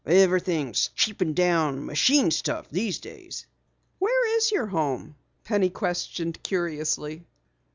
Everything is cheapened down machine stuff these days." "Where is your home?" Penny questioned curiously.